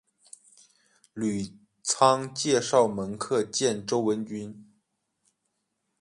吕仓介绍门客见周文君。